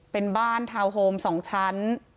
เป็นบ้านทาวน์โฮม๒ชั้น